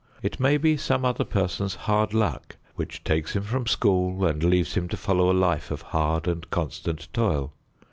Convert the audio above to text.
It may be some other person's hard luck which takes him from school and leaves him to follow a life of hard and constant toil.